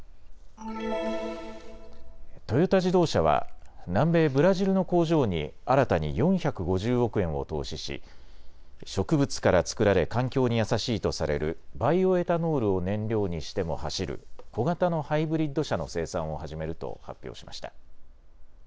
トヨタ自動車は南米ブラジルの工場に新たに４５０億円を投資し、植物から作られ環境に優しいとされるバイオエタノールを燃料にしても走る小型のハイブリッド車の生産を始めると発表しました。